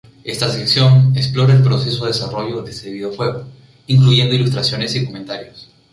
Esta sección explora el proceso de desarrollo de este videojuego, incluyendo ilustraciones y comentarios.